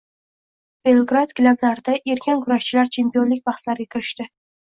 Belgrad gilamlarida erkin kurashchilar chempionlik bahslariga kirishding